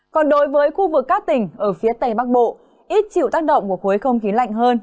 còn đối với khu vực các tỉnh ở phía tây bắc bộ ít chịu tác động của khối không khí lạnh hơn